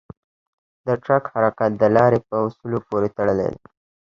د ټرک حرکت د لارې په اصولو پورې تړلی دی.